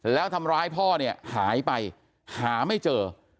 แล้วทำร้ายพ่อเนี่ยหายไปหาไม่เจอ